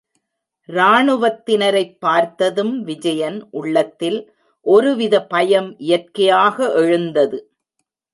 ராணுவத்தினரைப் பார்த்ததும் விஜயன் உள்ளத்தில் ஒருவித பயம் இயற்கையாக எழுந்தது.